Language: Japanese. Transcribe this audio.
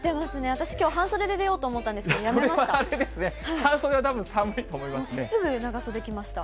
私きょう、半袖で出ようと思ったんですけど、やめました。